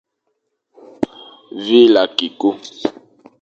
Vîle akî ku.